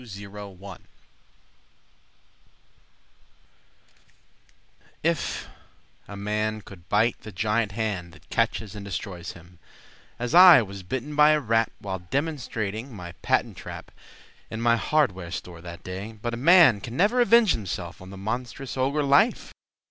Robert Fulton Tanner If a man could bite the giant hand That catches and destroys him, As I was bitten by a rat While demonstrating my patent trap, In my hardware store that day. But a man can never avenge himself On the monstrous ogre Life.